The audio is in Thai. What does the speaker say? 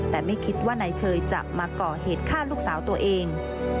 แต่ไม่คิดว่านายเชยจะมาก่อเหตุฆ่าลูกสาวตัวเอง